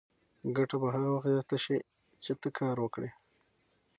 ګټه به هغه وخت زیاته شي چې ته کار وکړې.